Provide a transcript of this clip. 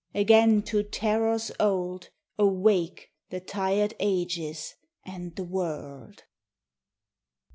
again to terrors old Awake the tired ages and the world!